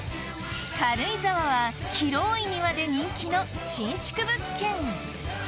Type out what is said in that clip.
軽井沢は広い庭で人気の新築物件！